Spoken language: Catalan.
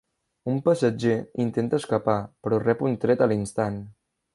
Un passatger intenta escapar, però rep un tret a l'instant.